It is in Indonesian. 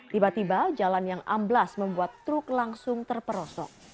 tiba tiba jalan yang amblas membuat truk langsung terperosok